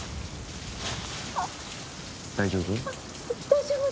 大丈夫？